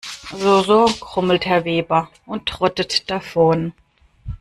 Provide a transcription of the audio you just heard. So so, grummelt Herr Weber und trottet davon.